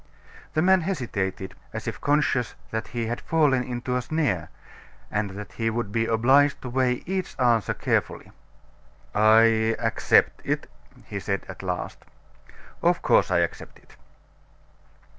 The man hesitated, as if conscious that he had fallen into a snare, and that he would be obliged to weigh each answer carefully. "I accept it," said he at last. "Of course I accept it."